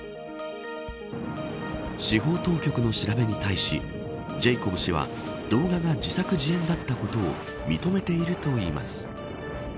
司法当局の調べに対しジェイコブ氏は動画が自作自演だったことを認めているといいます。